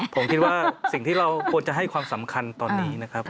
ผมคิดว่าสิ่งที่เราควรจะให้ความสำคัญตอนนี้นะครับ